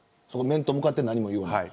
面と向かって何も言わない。